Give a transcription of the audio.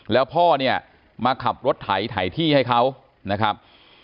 แล้วพ่อเนี่ยมาขับรถไถที่ให้เขานะครับ